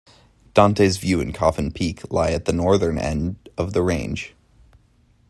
Dante's View and Coffin Peak lie at the northern end of the range.